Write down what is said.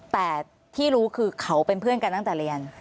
แต่ที่รู้คือเขาเป็นเพื่อนกันตั้งแต่เรียน